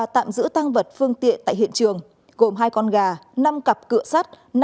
tạm giữ tăng vật phương tiện tại hiện trường gồm hai con gà năm cặp cửa sắt